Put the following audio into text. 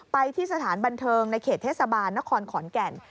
ไปที่สถานบันเทิงในเขตเทศบาลนครขอนแก่น